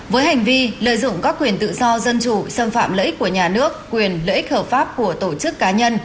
với hành vi lợi dụng các quyền tự do dân chủ xâm phạm lợi ích của nhà nước quyền lợi ích hợp pháp của tổ chức cá nhân